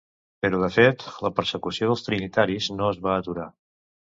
Però de fet la persecució dels trinitaris no es va aturar.